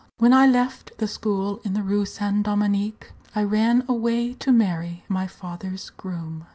When I left the school in the Rue Saint Dominique, I ran away to marry my father's groom!"